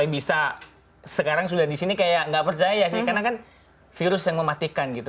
bisa sekarang sudah di sini kayak nggak percaya sih karena kan virus yang mematikan gitu